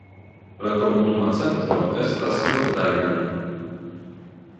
La komunuma centro estas Rohdainen.